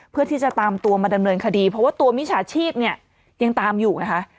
เพื่อที่จะตามตัวมาดำเนินคดีเพราะว่าตัวมิจฉาชีพเนี่ยยังตามอยู่นะคะ